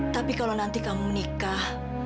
tapi kalau nanti kamu menikah